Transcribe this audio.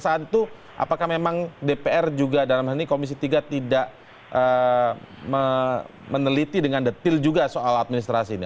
saat itu apakah memang dpr juga dalam hal ini komisi tiga tidak meneliti dengan detail juga soal administrasi ini